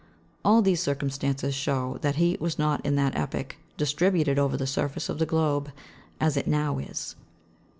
All these circumstances show that heat was not, in that epoch, distributed over the surface of the globe as it now is.